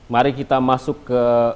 mari kita masuk ke